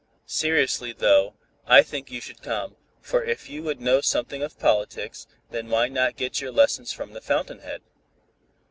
Seriously, though, I think you should come, for if you would know something of politics, then why not get your lessons from the fountain head?